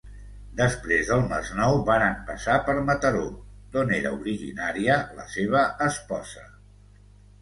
Després del Masnou, varen passar per Mataró, d'on era originària la seva esposa.